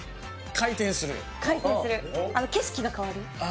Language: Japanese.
回転する景色が変わるあ